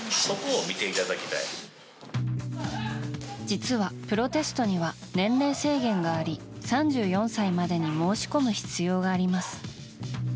実はプロテストには年齢制限があり３４歳までに申し込む必要があります。